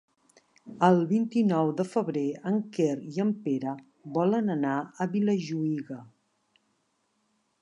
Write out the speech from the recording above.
El vint-i-nou de febrer en Quer i en Pere volen anar a Vilajuïga.